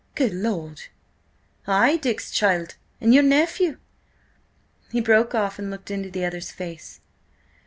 Good Lord!" "Ay, Dick's child and your nephew." He broke off and looked into the other's face.